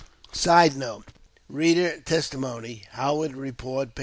[Sidenote: Reeder Testimony, Howard Report, p.